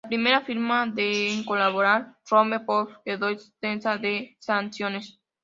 La primera firma en colaborar, Rhone-Poulenec, quedó exenta de sanciones.